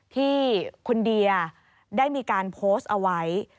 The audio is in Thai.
ที่คุณเดียได้มีการโพสต์เอาไว้